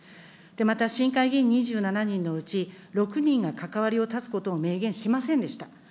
また市議会議員２７人のうち、６人が関わりを断つことを明言しませんでした。